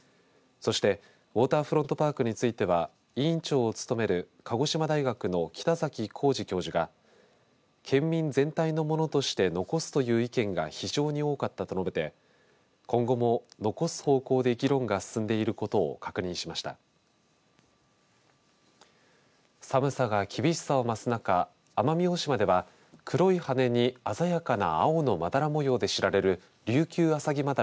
そしてウォーターフロントパークについては委員長を務める鹿児島大学の北崎浩嗣教授が県民全体のものとして残すという意見が非常に多かったと述べて今後も残す方向で議論が進んでいることを確認しました。